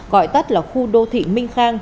gọi tắt là khu đô thị minh khang